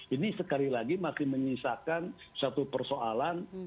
ini sekali lagi makin menyisakan satu persoalan